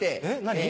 何？